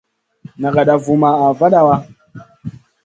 Nagada vumaʼha vada waʼa.